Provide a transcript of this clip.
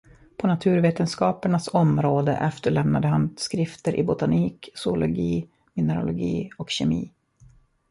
På naturvetenskapernas område efterlämnade han skrifter i botanik, zoologi, mineralogi och kemi.